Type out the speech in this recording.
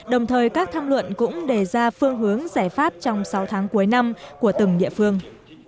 đồng thời các tham luận cũng đề ra phương hướng giải pháp trong sáu tháng cuối năm của từng địa phương